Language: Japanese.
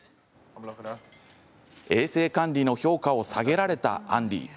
衛生管理の評価を下げられたアンディ。